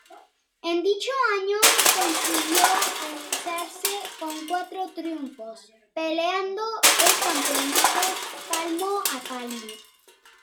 En dicho año consiguió alzarse con cuatro triunfos, peleando el campeonato palmo a palmo.